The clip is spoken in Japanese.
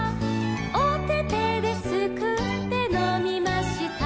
「おててですくってのみました」